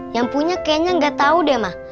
yang punya kayaknya nggak tahu deh mah